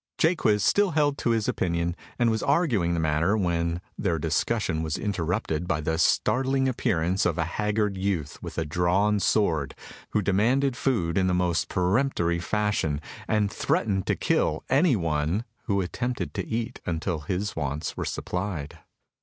Jaques still held to his opinion, and was arguing the matter, when their discussion was interrupted by the startling appearance of a haggard youth with a drawn sword, who demanded food in the most peremptory fashion, and threatened to kill anyone who attempted to eat until his wants were supplied.